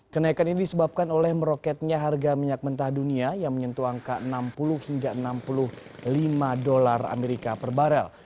kenaikan ini disebabkan oleh meroketnya harga minyak mentah dunia yang menyentuh angka rp enam puluh enam puluh lima per barrel